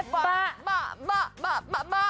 เบ้อบะบะบะบะบะบะ